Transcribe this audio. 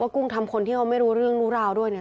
กุ้งทำคนที่เขาไม่รู้เรื่องรู้ราวด้วยเนี่ย